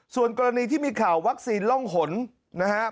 ส่วนกรณีที่มีข่าววัคซีนร่องหนนะครับ